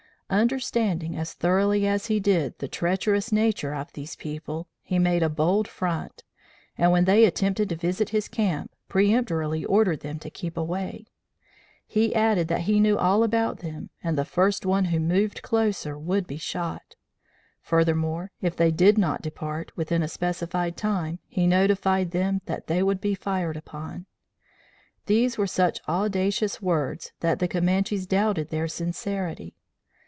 Understanding as thoroughly as he did the treacherous nature of these people, he made a bold front, and, when they attempted to visit his camp, peremptorily ordered them to keep away. He added that he knew all about them, and the first one who moved closer would be shot. Furthermore, if they did not depart, within a specified time, he notified them that they would be fired upon. These were such audacious words that the Comanches doubted their sincerity.